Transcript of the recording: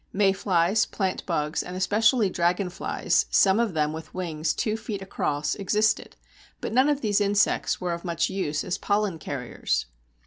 Mayflies, plantbugs, and especially dragonflies (some of them with wings two feet across) existed, but none of these insects are of much use as pollen carriers.